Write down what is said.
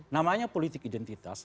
namanya politik identitas